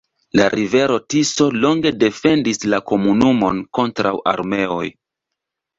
La rivero Tiso longe defendis la komunumon kontraŭ armeoj.